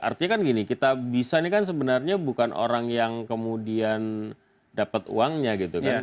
artinya kan gini kita bisa ini kan sebenarnya bukan orang yang kemudian dapat uangnya gitu kan